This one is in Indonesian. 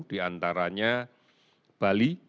di antaranya bali